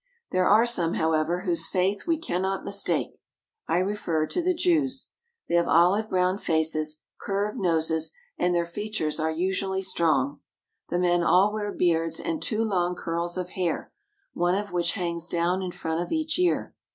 There are some, however, whose faith we cannot mis take. I refer to the Jews. They have olive brown faces, curved noses, and their features are usually strong. The men all wear beards and two long curls of hair, one of which hangs down in front of each ear.